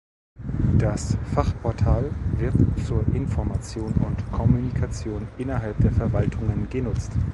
Das Fachportal wird zur Information und Kommunikation innerhalb der Verwaltungen genutzt.